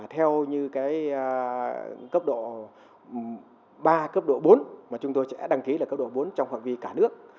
theo như cấp độ ba cấp độ bốn mà chúng tôi sẽ đăng ký là cấp độ bốn trong phạm vi cả nước